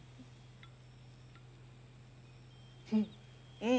うん。